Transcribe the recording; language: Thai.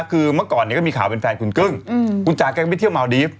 คือเมื่อก่อนเนี่ยก็มีข่าวเป็นแฟนคุณกึ้งคุณจ๋าแกก็ไปเที่ยวเมาดีฟ